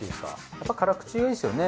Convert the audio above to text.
やっぱ辛口がいいですよね。